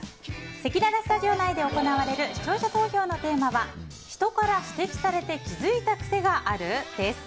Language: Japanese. せきららスタジオ内で行われる視聴者投票のテーマは人から指摘されて気づいた癖がある？です。